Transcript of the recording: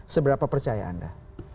seberapa percaya anda